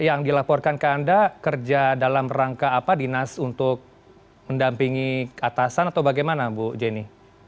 yang dilaporkan ke anda kerja dalam rangka apa dinas untuk mendampingi atasan atau bagaimana bu jenny